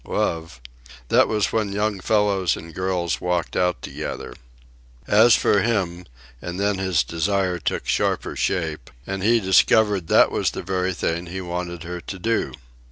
Love? That was when young fellows and girls walked out together. As for him And then his desire took sharper shape, and he discovered that that was the very thing he wanted her to do.